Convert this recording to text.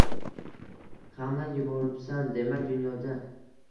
G‘amlar yuboribsan, demak, dunyoda